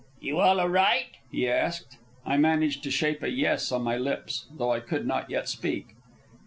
"You all a right?" he asked. I managed to shape a "yes" on my lips, though I could not yet speak.